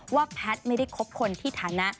ว่าแพทย์ไม่ได้คบคนที่ฐานะ